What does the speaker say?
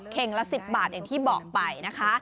ละ๑๐บาทอย่างที่บอกไปนะคะ